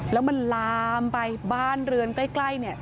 แล้วมันลามไปบ้านเรือนใกล้เนี่ย